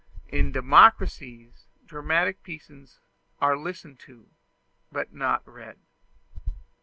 In democracies, dramatic pieces are listened to, but not read.